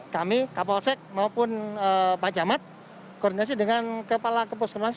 kami kapolsek maupun pak camat koordinasi dengan kepala kepuskesmas